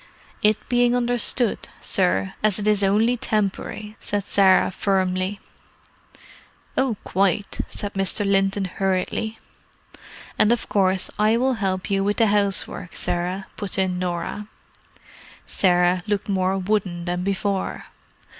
"It being understood, sir, as it is only tempory," said Sarah firmly. "Oh, quite," said Mr. Linton hurriedly. "And of course I will help you with the housework, Sarah," put in Norah. Sarah looked more wooden than before.